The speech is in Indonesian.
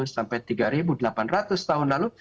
sampai tiga delapan ratus tahun lalu